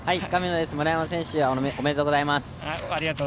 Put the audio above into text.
村山選手、おめでとうございます。